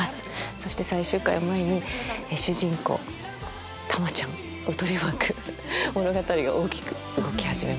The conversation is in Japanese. そして最終回を前に主人公玉ちゃんを取り巻く物語が大きく動き始めます。